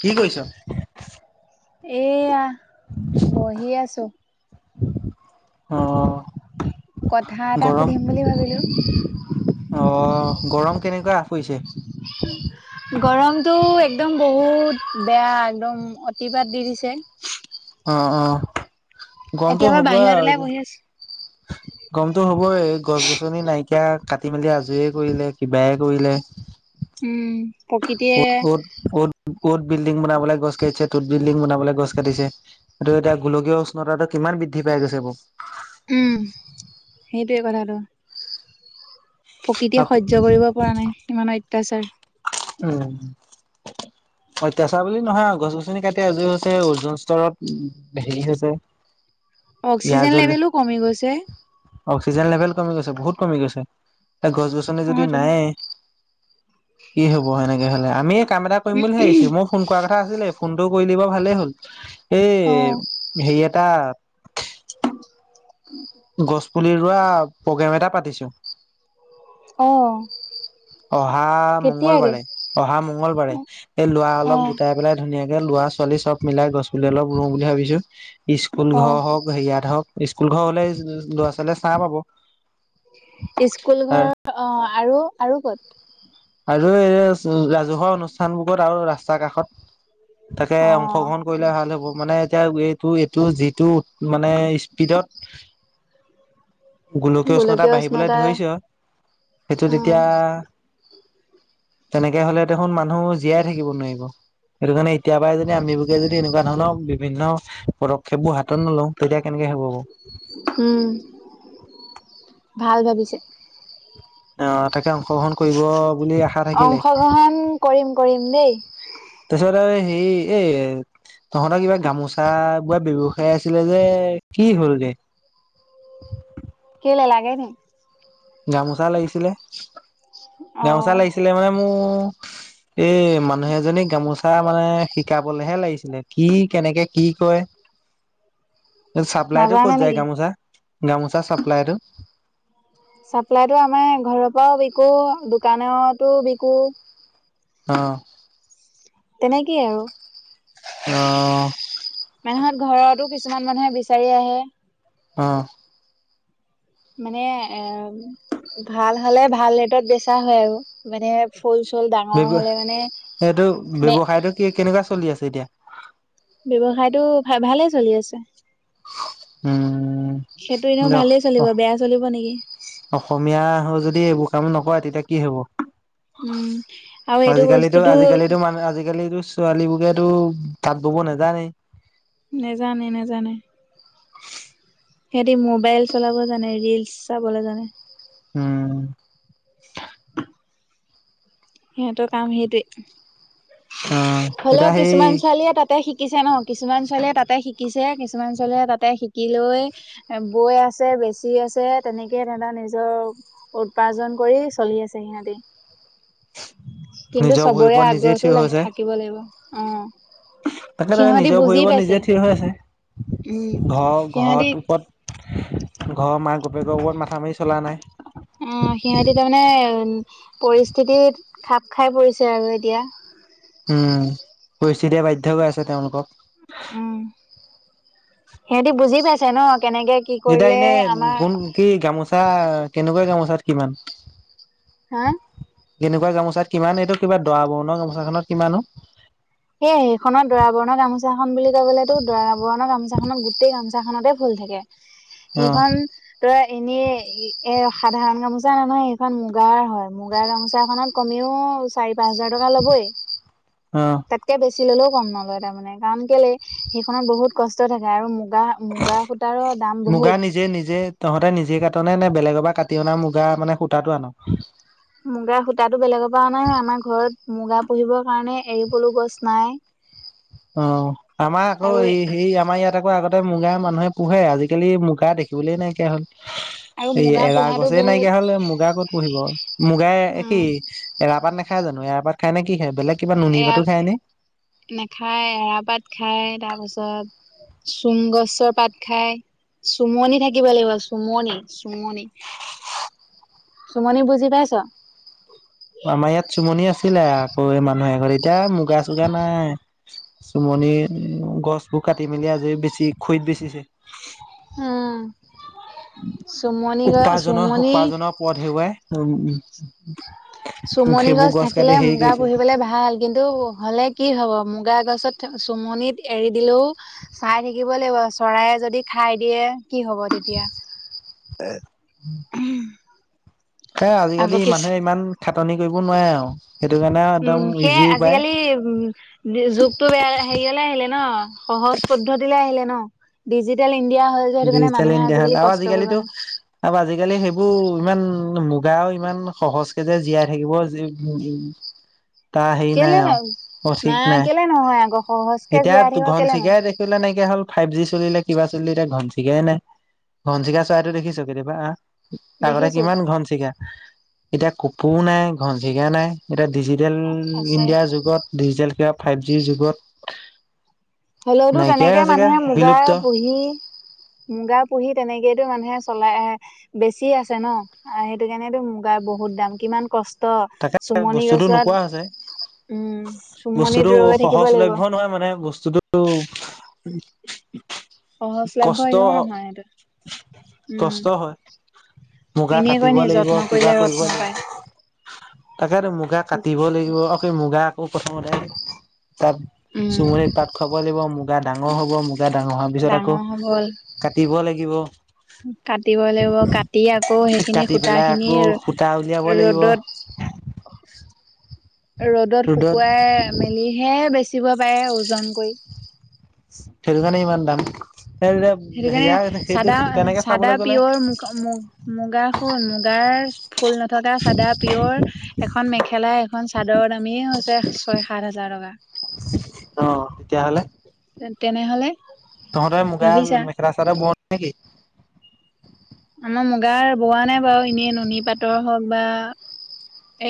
কি কৰিছ? এয়া বহি আছো। অ, কথা এটা গৰম সুধিম বুলি ভাবিলো অ। গৰম কেনেকৈ আ পৰিছে? গৰমটো একদম বহুত বেয়া একদম অতিবাদ দি দিছে। অ অ গৰমটো এতিয়া বাৰু হ'ব বাহিৰত আৰু ওলাই এনে। বহি আছো গৰমতো হ'বই গছ- গছনি নাইকিয়া কাটি মেলি আজৰি কৰিলে কিবাই কৰিলে। উম প্ৰকৃতিয়ে কত বিল্ডিং বনাবলৈ গছ কাটিছে, টোত বিল্ডিং বনাবলৈ গছ কাটিছে এতিয়া গোলকীয় উষ্ণতাটো কিমান বৃদ্ধি পাই গৈছে বৌ। উম সেইটোৱে কথাটো। প্ৰকৃতিয়ে সহ্য কৰিব পৰা নাই ইমান অত্যাচাৰ। উম। অত্যাচাৰ বুলি নহয় গছ -গছনি কাটি আজৰি হৈছে ওজন স্তৰত হেৰি হৈছে। [inaudible] ইয়াৰ অক্সিজেন লেভেলো কমি গৈছে। অক্সিজেন লেভেল কমি গৈছে বহুত কমি গৈছে। এ গছ- গছনি অ যদি তোন নাই কি হ'ব সেনেকে হলে, আমি কাম এটা কৰিম বুলি ভাবিছো মই ফোন কৰা কথা আছিলে ফোনটো কৰি দিব ভালেই হ'ল। এই অ হেৰি এটা গছ পুলি ৰোৱা প্ৰগ্ৰেম এটা পাতিছো। অঁ। অহা মঙলবাৰে, অহা মঙগলবাৰে এই লোৱা অ অলপ গোটাই পেলাই ধুনীয়াক কে লৰা -ছোৱালী চব মিলাই গছ পুলি অলপ ৰু বুলি ভাবিছো। স্কুল, অ ঘৰ হওক, হেৰিয়াত হওক স্কুল ঘৰ হলে ল'ৰা -ছোৱালীয়ে ছা পাব। স্কুল ঘৰ অ আৰু আৰু ক'ত আৰু এই ৰাজহুৱা অনুষ্ঠানবোৰত আৰু ৰাস্তা কাষত তাকে অ অংশগ্ৰহণ কৰিলে ভাল হ'ব মানে এতিয়া এইটো এইটো যিটো মানে স্পীডত গোলকীয় উষ্ণতা বাঢ়িবলৈ ধৰিছে সেইটো উম তেতিয়া তেনেকে হলে দেখোন মানুহ জীয়াই থাকিব নোৱাৰিব সেইটো কাৰণে এতিয়া পাই যদি আমি বোকে যদি এনেকুৱা ধৰণৰ বিভিন্ন পদক্ষেপ বোৰ হাতত নলওঁ তেতিয়া কেনেকে হব ক উম ভাল ভাবিছে অ তাকে অংশগ্ৰহণ কৰিব বুলি আশা থাকিলে অংশগ্ৰহণ কৰিম কৰিম দেই এ সেই এই তহঁতৰ কিবা গামোচা বোৱা ব্যৱসায় আছিলে যে কি হল দে [unintelligible] লাগে নে গামোচা লাগিছিলে অ গামোচা লাগিছিলে মানে মোৰ এ মানুহ এজনী গামোচা মানে শিকা কবলেহে লাগিছিলে কি কেনেকে কি কয় চাপ্লাইটো ক'ত নাজানে যায় নেকি গামোচা গামোচা চাপ্লাইটো চাপ্লাইতটো আমাৰ ঘৰৰ পৰাও বিকো দোকানতো বিকো আহ তেনেকেই আৰু আহ মানুহত ঘৰতো কিছুমান মানুহে বিচাৰি আহে অ মানে এ ভাল হ'লে ভাল ৰেটত বেচা হয় আৰু মানে ফুল চুল ডাঙৰ ব্যৱ হলে মানে এইটো বে ব্যৱসায়টো কেনেকুৱা চলি আছে এতিয়া ব্যৱসায়টো ভ ভালে চলি আছে। উম সেইটো এনেও ভালেই কিন্তু চলিব বেয়া চলিব নেকি অসমীয়া হ যদি হ ইবোৰ কাম নকৰে তেতিয়া কি হ'ব উম আৰু এইটো আজিকালিতো বস্তুটো আজিকালিতো মানে আজিকালিতো ছোৱালীবোৰকেতো তাত বব নাজানে নাজানে নাজানে সিহঁতি মোবাইল চলাব জানে ৰিলচ চাবলে জানে উম সিহঁতৰ কাম অ সেইটোৱেই এতিয়া হলেও সেই কিছুমান ছোৱালীয়ে তাতে শিকে শিকিছে ন কিছুমান ছোৱালীয়ে তাতে শিকিছে কিছুমান ছোৱালীয়ে তাতে শিকি লৈ বৈ আছে বেছি আছে তেনেকে তেহৰ নিজৰ উাৰ্জন কৰি চলি আছে সিহতি [unintelligible] কিন্তু নিজৰ ভৰি চবৰে ওপৰত নিজে আগ্ৰহটো থিয় হৈছে। থাকিব লাগিব আহ তাকে তাকে সিহতি নিজৰ ভৰি বুজি ওপৰত নিজে পাইছে। থিয় হৈ আছে। উম ঘৰ সিহঁতি ঘৰত ওপৰত ঘৰৰ মাক বাপেকৰ ওপৰত মাথা মাৰি চলা নাই। অ সিহতি তাৰমানে পৰিস্থিতি খাপ খাই পৰিছে আৰু এতিয়া উম পৰিস্থিতিয়ে বাধ্যয় কৰাইছে আছে তেওঁলোকক উম সিহঁতি বুজি পাইছে ন কেনেকে কি যেতিয়া কৰিলে এনে আমাৰ কোন কি গামোচা কেনেকুৱা গামোচাত কিমান হা কেনেকুৱা গামোচাত কিমান এইটো কিবা দৰা বৰণৰ গামোচাখনত কিমানো সেই সেইখননৰ দৰা বৰণৰ গামোচা খন বুলি ক'বলে তো দৰা বৰণৰ গামোচা খক গোটেই গামোচাখনতে ফু ফুল থাকে অ সেইখন ধৰা এনে এ সাধাৰণ গামোচা নহয় সেইখন মুগাৰ হয় মুগাৰ গামোচাখনত কমেও চাৰি পাঁচ হেজাৰ টকা ল'বই অ তাতকে বেছি ললেও কম নলয় তাৰমানে কাৰণ কেলে সেইখনত বহুত কষ্ট থাকে আৰু মোক মুগা নিজে নিজে তহঁতে নিজে কাটনেে নে বেলেগৰ পৰা কাটি অনা মুগা মানে সূতাটো আনক মুগাৰ সূতাটো বেলেগৰ পৰা নাই আমাৰ ঘৰত মুগা পুহিবৰ কাৰণে এৰি পলু গছ নাই অ আমাৰ আকৌ আৰু এই হে আমাৰ ইয়াত আকৌ আগতে ততে মুগাৰ মানুহে পোহে আজিকালি মুগা দেখিবলৈই নাইকিয় হ'ল। আৰু এই মুগা এৰা পোহাটো গছে বহুত নাইকিয়া হলে মুগা ক'ত পুহিব মুগাই কি উম এৰাপাত নেখায় জানো এৰাপাত খাই নে কি খে বেলেগ কিবা নুনী এৰা পাতো খাইনে [unintelligible] নাখায় এৰা পাত খায় তাৰ পাছত চুম গছৰ পাত খায়। চোমনি থাকিব লাগিব চোমনি চোমনি চুমনি বুজি পাইছ আমাৰ ইয়াত চোমনি আছিলে আকৌ মানুহ এ ঘৰত এতিয়া মুগা চুগা নাই চুমনি মনি গছবোৰ কাটি মেলি আজি বেছি খৰিত বেচিছে হম উপাৰ্জনৰ চুমনি উপাৰ্জনৰ পথ হেৱাই উ চোমনি গছ থাকিলে মুগা পুহিবলে ভাল কিন্তু হ'লে কি হব মুগা গছত চোমনিত এৰি দিলেও চাই থাকিব লাগিব চৰায় যদি খ খাই দিয়ে কি হ'ব তেতিয়া হে আকৌ আজিকালি পিছ মানুহে ইমান খাটনি কৰিব নোৱাৰে আৰু সেইটো কাৰণে একদম উম সেয়ে ইজি উপায়। আজিকালি উ যুগতটো বেয়া হেৰিয়লে আহিলে ন সহজ উন্নতিলে আহিলে ন ডিজিটেল [unintelligible] সেইটো কাৰণে ডিজিটেল মানুহে ইণ্ডিয়া খান আৰু কষ্ট আজিকালি কৰিব নাই আৰু আজিকালি সেইবোৰ ইমান [unintelligible] উ মুগাও ইমান সহজকে যে জীয়াই থাকিব তা সেই কেলে নাই ন আৰু না অচিক নাই [unintelligible] কেলে নহয় আকৌ সহজকে এতিয়া জীয়াই থাকিব কেলে ঘনচিকাই নহয় দেখিলে নাইক হ'ল ফাইভ জি চলিলে কিবা চলিলে এতিয়া ঘনচিকাই নাই ঘনচিকা চোৱাটো দিছে কেতিয়াবা আহ [unintelligible] আগতে দেখিছো কিমান ঘনচিকাা এতিয়া কুপুৰ নাই ঘনচিকাা নাই এতিয়া ডিজিটেল আছে ইণ্ডিয়াৰ যুগত ডিজিটেল কিবা ফাইভ জিৰ যুগত হলেওতো নাইকিয়াই তেনেকে হৈছেগে মানুহে মুগা বিলুপ্ত পুহি মুগা পুহি তেনেকে [unintelligible] মানুহে চলাই বেছি আছে ন সেইটো কাৰণো মুগাৰ বহুত দাম কিমান কষ্ট [unintelligible] তাকে ত চোমনি বস্তুটো গছত নোপোৱা হৈছে উম চোমনিত বস্তুটো ৰৈ থাকিব লাগিব অ সহজলভ্য কষ্ট এনেও নহয় সেইটো উম কষ্ট হয় মুগা এনেই কয় কাটিব নি লাগিব যত্ন কিবা কৰিলে কৰিব ৰত্ন পায় লাগিব [unintelligible] তাকেতেতো মুগা কাটিব লাগিব মুগা আকৌ প্ৰথমতে আহ তাত উম চুমনিত পাত খুৱাব লাগিব মুগা ডাঙৰ হব মুগ া ডাঙৰ হোৱাৰ পিছত আকৌ ডাঙৰ হবল কাটিব লাগিব কাটিব লাগিব কাটি [unintelligible] আকৌ সেইখিনি কাটি সূতা পেলাই খিনি আকৌ সূতা উলিয়াব লাগিব ৰ'দত ৰ'দত শুকুৱাই মেলিহে বেচিব পাৰে ওজন কৰি থেৰু জানে ইমান দাম সেইটো সেয়া কাৰণে সেইটো চাদা তেনেকে চাদা চাবলৈ গ'লে পিয়ৰ মুগ মু মুগা খুন মুগাৰ [unintelligible] ফুল নথকা চাদা পিয়ৰ এখন মেখেলা এখন চাদৰৰ দামেই হৈছে ছয় সাত হাজাৰ [unintelligible] [inaudible] অ তেনেহ'লে তহতে মুগা ভাবিছা মেখেলা চাদৰ বৱ নেকি আমাৰ মুগাৰ বোৱা নাই বাৰু এনেই নুনী পাটৰ হওক বা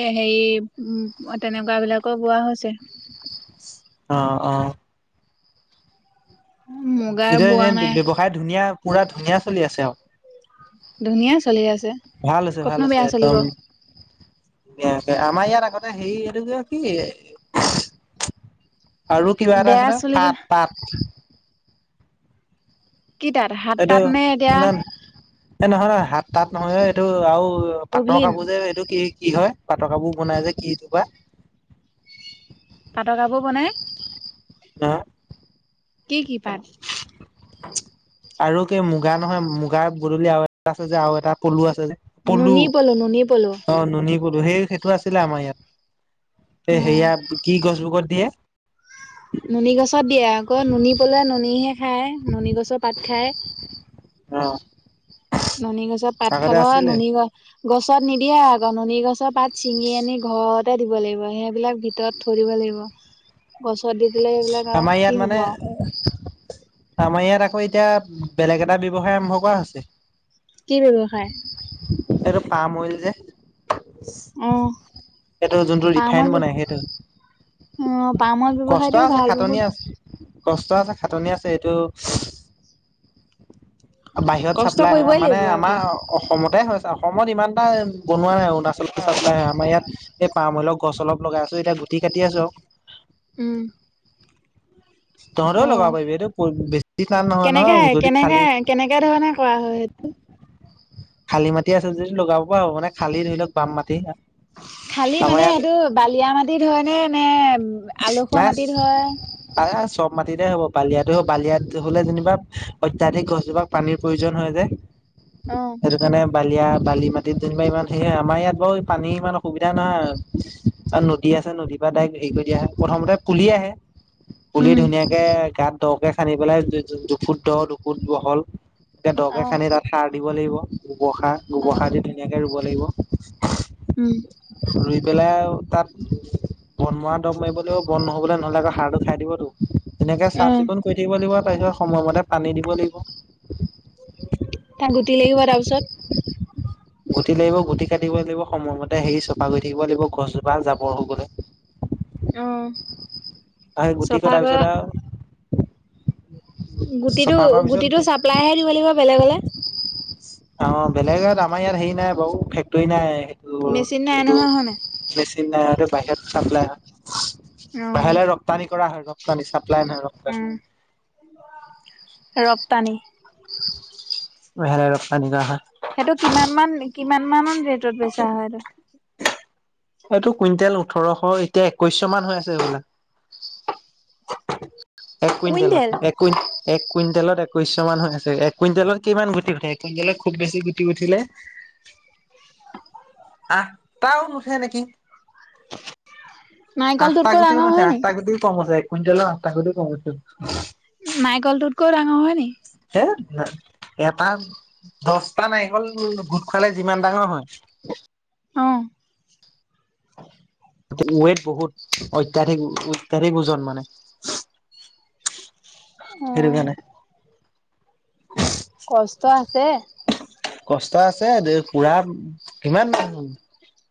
এ হেৰি তেনেকোৱ বিলাকো বোৱা হৈছে। অ অ মুগাৰ এতিয়া বোৱা এনে নাই ব্যৱসায় ধুনীয়া পুৰা ধুনীয়া চলি আছে। আও ধুনীয়া চলি আছে ভাল হৈছে ভাল ক'তনো হৈছে বেয়া চলিব। একদম আমাৰ ইয়াত আগতে হেৰি এইটো যে কি আৰু কিবা এটা বেয়া আছি নহয় চলিব পাট পাট কি তাত হাত এইটো তাত নে এতিয়া ন এ নহয় নহয় হাত তাত নহয় এইটো আৰু পাটৰ অভিন কাপোৰ যে এইটো কি কি হয় পাট কাপোৰ বনাই যে কি এইটো বা পাটৰ কাপোৰ বনাই নহয় কি কি পাট আৰু কি মুগা নহয় মুগা বদলি আৰু এটা আছে যে আৰু এটা পলু আছে পলু নুনী নুনী পলু অ নুনি বলো সেই সেইটো আছিলে আমাৰ ইয়াত অ সেয়া কি গছবগত দিয়ে নুনী গছত দিয়ে আকৌ নুনী পলুৱে নুনীহে খায় নুনী গছৰ পাত খায় অ নুনী গছৰ পাত আগতে খাব আছিলে নুনী গছ গছত নিদিয়ে আক নুনি গছৰ পাত ছিঙি আনি ঘৰতে দিব লাগিব সেইবিলাক ভিতৰত থৈ দিব লা ব গছত দি দিলে সেইবিলাক আৰু আমাৰ কি ইয়াত হ'ব মানে আৰু আমাৰ ইয়াত আকৌ এতিয়া বেলেগ এটা ব্যৱসায় আৰম্ভ কৰা হৈছে। কি ব্যৱসায়। এইটো পাম অইল যে অ সেইটো যোনটো ৰিফাইন পামৰ বনাই সেইটো। অ পামৰ কষ্ট ব্যৱসায়টোও আছে ভাল- খাটনি বহুত আছে কষ্ট আছে খাটনি আছে এইটো। বাহিৰত কষ্ট চাপ্লাই হয় কৰিবই মানে লাগিব আকৌ আমাৰ অসমতে হয় অসমত ইমান এটা বনোৱা নাই অৰুণাচলৰ চাপ্লাই আমাৰ ইয়াত এই পাৰমূলক গছ অলপ লগাই আছো। এতিয়া গুটি কাটি আছো আৰু উম তহঁতেও অ লগাব পাৰিবি এইটো বেছি টান নহয় নহয় কেনেকে যদি কেনেকে খালি কেনেকে ধৰণে কৰা হয় সে হয় খালী মাটি আছে যদি লগাব পৰা হব মানে খালি ধৰি লওক বাম মাটি খালি আমাৰ মানে ইয়াত সেইটো বালিয়া মাটিত হয় নে নে। উ আলসুৱা নাই মাটিত হয়। চব মাটিতে হ'ব বালিয়াতো হ বালিয়াত হলে যেনিবা অত্যাধিক গছজোপাক পানীৰ প্ৰয়োজন হয়। যে অ সেইটো কাৰণে বা লিয়া বালি মাটিত যেনিবা ইমান সেইয়া আমাৰ ইয়াত বাৰু পানী ইমান অসুবিধা নাই। আৰু নদী আছে নদীৰ পৰা ডাইক হেৰি কৰি আহে প্ৰথমতে পুলি আহে পুলি উম, ধুনীয়াকে গাত দকে খান্দি পেলাই দুফুট দ দুফুট বহল তে অ দকে খানি তাত সাৰ দিব লাগিব গোবৰ অ গোবৰ সাৰ দি ধুনীয়াকে ৰুব লাগিব উম বেলাও তাত বন মোৱা দৰৱ মাৰিবলৈও বন নহ'বলৈ নহ'লে আকৌ সাৰটো খাই দিবতো। এনেকে অ চাফ চিকুণ কৰি থাকিব লাগিব তাৰপিছত সময়মতে পানী দিব লাগিব। তাত গুটি লাগিব তাৰপিছত উ গুটি লাগিব গুটি কাটিব লাগিব সময়মতে হেৰি চপা গৈ থাকিব লাগিব গছজোপা জাবৰ হৈ গলে। উম তে গুটি কটা পিছত আও গুটিটো গুটিটো চাপ্লাইহে দিব লাগিব বেলেগলে অ বেলেগাত আমাৰ ইয়াত হেৰি নাই বাৰু ফেক্টৰী নাই সেইটো মেচিন নাই নহয় হয় নাই যোনটো মেচিন নাই বাহিৰত চাপ্লাই হয়। আহ বাহিৰলৈ ৰপ্তানি কৰা হয় ৰপ্তানী চাপ্লাই নহ ৰান ৰপ্তানি মলে ৰ পা নি গা সেইটো কিমান মান কিমান মান ৰেটত বেচা হয়টো এইটো কুইণ্টেল ওঠৰশ এতিয়া একৈশশ মান হৈ আছে বোলে। এক কুইণ্টেল? কুইণ্টেলত এক কুইন্ট এক কুইণ্টেলত একৈশ মান হৈ আছে এক কুইণ্টেলত কিমান গুটি উঠে কুইণ্টেলত খুব বেছি গুটি উঠিলে। [inaudible] আহ তাও নুঠে নেকি। আঠটা নাৰিকলটোতকৈ গুটিও ডাঙৰ নাথে হয় নি? আঠটা গুটিও কমছে- কসা কচ নাৰিকলটোতকৈও ডাঙৰ হয় নেকি? [inaudible] দহটা নাৰিকল গোট খোৱালে যিমান ডাঙৰ হয়। অঁ ৱেত বহুত অত্যাধিক অত্যাধিক ওজন মানে সেইটো অ', কাৰণে কষ্ট আছে কষ্ট আছে দে পুৰা কিমান?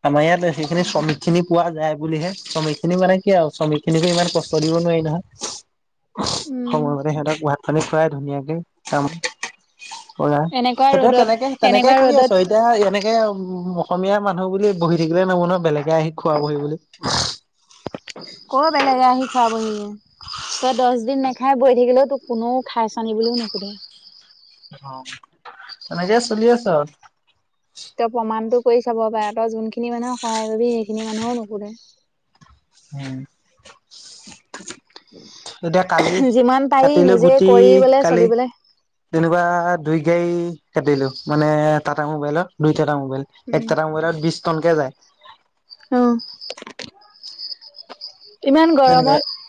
আমাৰ ইয়াত সেইখিনি শ্ৰমিক খিনি পোৱা যায় বুলিহে শ্ৰমিক খিনি মানে কি আৰু শ্ৰমিক খিনিকো ইমান কষ্ট দিব হোৱাই নহয় উম, সময়মতে সিহঁতক ভাত পানী খুৱাই ধুনীয়াকে চাম কৰা এনেকুৱা সেইটোৱে ৰ'দত তেনেকে তেনেকে এনেকুৱা কৰি ৰ'দত আছো এতিয়া এনেকে উ অসমীয়া মানুহ বুলি বহি থাকিলে নব নহয় বেলেগে আহি খোৱা বহি বুলি ক বেলেগে আহি চাবহি তই দহ দিন ন খাই বৈ থাকিলেও তোক কোনেও খাইছ নী বুলিও নু সুধে তেনেক চলি আছ তেওঁ প্ৰমাণটো কৰি চাব পাৰে তই যোনখিনি মানুহে সহায় কৰিবি সেইখিনি মানুহেও নুকুৰে উম। এতিয়া কালি যিমান পাৰি কাটিলৈ নিজে গুটি কৰি পেলাই কালি চলিবলে তেনেকুৱা দুই গাড় কাটিলো মানে টাটা মোবাইলত দুই টাটা মোবাইল এক উম। টাটা মোবাইলত বিশ টনকে যায় আহ ননগ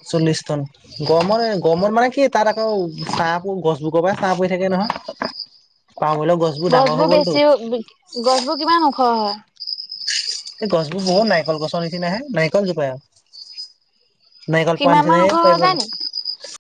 চলিছ্তন গৰমৰ গৰমত মানে কি তাত আকৌ চাহ গছবোৰৰ পৰা চাহ পৰি থাকে নহয় পওঁ হৰিলেও গছবোৰ ডাঙৰ হৈ গ'লতো গছবোৰ কিমান ওখ হয় এই গছবোৰ বহুত নাৰিকল গছৰ নিচিনা হে নাৰিকল জোপাই আৰু নাৰিকল পৰা সিমান মান ওখ নিচিনাকে হৈ যায় নি? পৰিছে